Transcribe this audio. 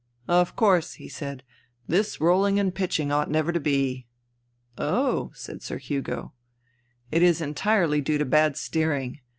" Of course," he said, " this roUing and pitching ought never to be." " Oh I " said Sir Hugo. "It is entirely due to bad steering.